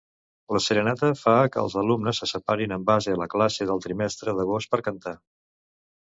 La serenata fa que els alumnes se separin en base a la classe del trimestre d'agost per cantar.